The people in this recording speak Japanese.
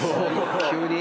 急に？